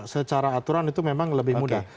secara aturan itu memang lebih mudah